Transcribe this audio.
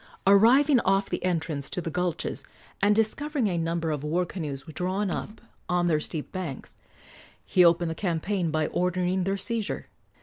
Arriving off the entrance to the gulches, and discovering a number of war canoes drawn up on their steep banks, he opened the campaign by ordering their seizure.